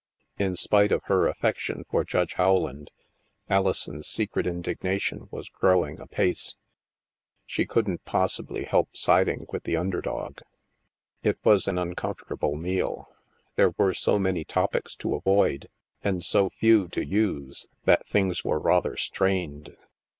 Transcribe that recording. In spite of her af fection for Judge Howland, Alison's secret indigna tion was growing apace. She couldn't possibly help siding with the under dog. It was an uncomfortable meal. There were so many topics to avoid and so few to use that things were rather strained.